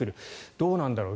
どうなんだろう。